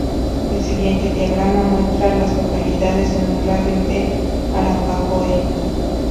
El siguiente diagrama muestra a las localidades en un radio de de Arapahoe.